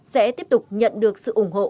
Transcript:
sẽ tiếp tục nhận được sự ủng hộ